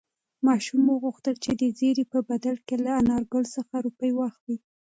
ماشوم غوښتل چې د زېري په بدل کې له انارګل څخه روپۍ واخلي.